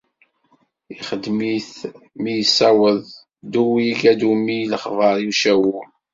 Ixedm-it mi yessaweḍ Duwig Adumi lexber i Cawul.